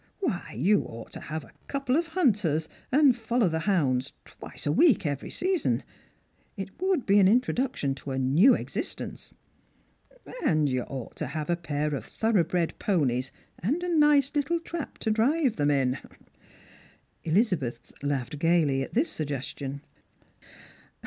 Why, you ought to have a couple of hunters, and follow the hounds twice a week every season ; it 'voi:ld be an introduction to a new existence. And you ought to have a pair of thorough bred ponies, and a nice little trap to drive them in." Elizabeth laughed gaily at this suggestion.